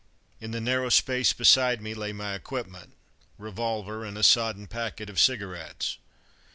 In the narrow space beside me lay my equipment; revolver, and a sodden packet of cigarettes.